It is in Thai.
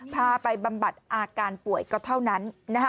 พาไปบำบัดอาการป่วยก็เท่านั้น